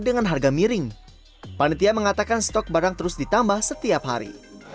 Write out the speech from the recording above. dengan harga miring panitia mengatakan stok barang terus ditambah setiap hari